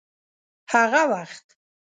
هغه وخت